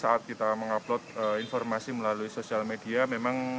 pengunjung juga wajib menunjukkan bukti telah divaksin covid sembilan belas melalui aplikasi peduli lindungi